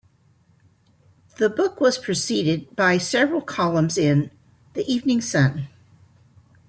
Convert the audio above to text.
'" The book was preceded by several columns in "The Evening Sun.